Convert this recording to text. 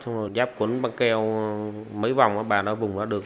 xong rồi giáp cuốn băng keo mấy vòng ở bàn ở vùng đó được